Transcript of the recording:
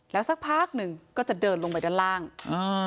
แล้วสักพักหนึ่งก็จะเดินลงไปด้านล่างอ่า